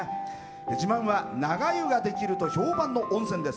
自慢は長湯ができると評判の温泉です。